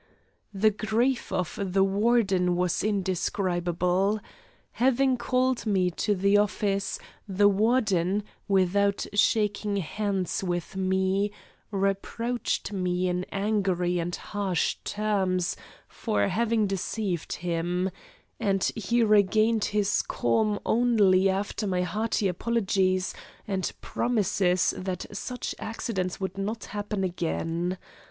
The grief of the Warden was indescribable. Having called me to the office, the Warden, without shaking hands with me, reproached me in angry and harsh terms for having deceived him, and he regained his calm, only after my hearty apologies and promises that such accidents would not happen again.